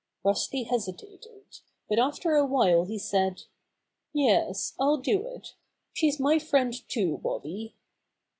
Rusty hesitated, but after a while he said: "Yes, I'll do it. She's my friend, too, Bobby.'